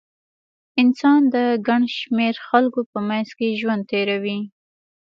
انسان د ګڼ شمېر خلکو په منځ کې ژوند تېروي.